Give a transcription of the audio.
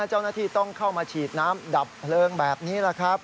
เจ้าหน้าที่ต้องเข้ามาฉีดน้ำดับเพลิงแบบนี้แหละครับ